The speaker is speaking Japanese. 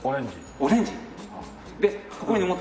オレンジ？